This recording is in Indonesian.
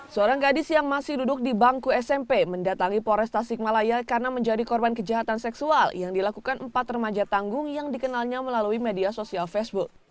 seorang gadis yang masih duduk di bangku smp mendatangi pores tasikmalaya karena menjadi korban kejahatan seksual yang dilakukan empat remaja tanggung yang dikenalnya melalui media sosial facebook